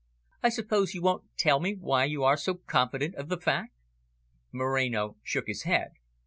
"I suppose you won't tell me why you are so confident of the fact?" Moreno shook his head.